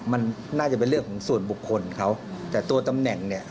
มันน่าจะเป็นเรื่องของส่วนบุคคลเขาแต่ตัวตำแหน่งเนี่ย